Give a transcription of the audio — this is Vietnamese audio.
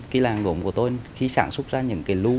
mặt hàng gốm của tôi khi sản xuất ra những cái lưu